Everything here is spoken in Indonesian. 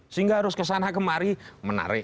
sehingga harus kesana kemari menarik